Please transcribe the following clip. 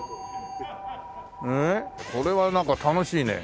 これはなんか楽しいね。